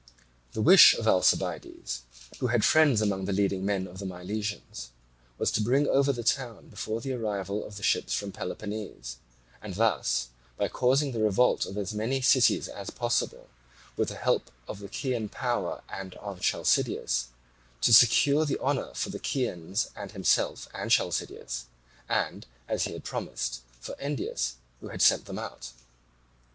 The wish of Alcibiades, who had friends among the leading men of the Milesians, was to bring over the town before the arrival of the ships from Peloponnese, and thus, by causing the revolt of as many cities as possible with the help of the Chian power and of Chalcideus, to secure the honour for the Chians and himself and Chalcideus, and, as he had promised, for Endius who had sent them out.